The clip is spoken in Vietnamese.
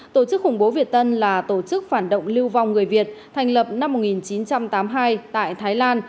tổ chức khủng bố việt tân là tổ chức phản động lưu vong người việt thành lập năm một nghìn chín trăm tám mươi hai tại thái lan